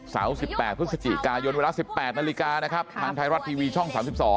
๑๘พฤศจิกายนเวลา๑๘นาฬิกานะครับทางไทยรัฐทีวีช่อง๓๒